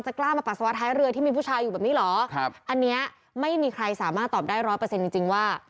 กล้ามาปัสสาวะท้ายเรือที่มีผู้ชายอยู่แบบนี้เหรอครับอันนี้ไม่มีใครสามารถตอบได้ร้อยเปอร์เซ็นต์จริงจริงว่า